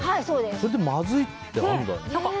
それでまずいって、あるんだ。